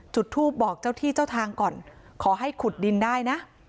จุดทูปบอกเจ้าที่เจ้าทางก่อนขอให้ขุดดินได้นะ